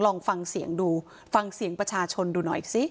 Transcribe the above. ลองฟังเสียงประชาชนดูหน่อยซิ